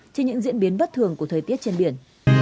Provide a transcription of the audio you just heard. trên những diễn biến bất thường của thời tiết trên biển